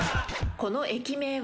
この駅名は？